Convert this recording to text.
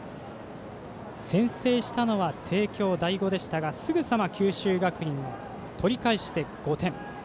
先制したのは帝京第五でしたがすぐさま九州学院が取り返して５点。